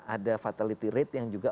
ada fatality rate yang juga